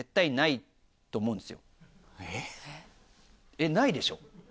えっないでしょ？